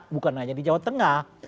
bukan hanya di jawa tengah